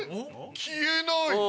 消えない。